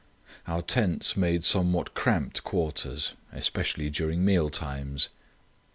Our tents made somewhat cramped quarters, especially during meal times.